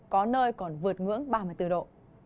có nơi còn vượt ngưỡng ba mươi bốn độ